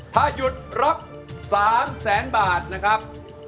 ถ้าหยุดรับ๓แสนบาทนะครับ